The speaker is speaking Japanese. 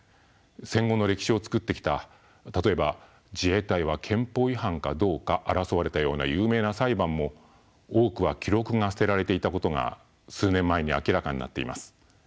戦後の歴史を作ってきた例えば自衛隊は憲法違反かどうか争われたような有名な裁判も多くは記録が捨てられていたことが数年前に明らかになっています。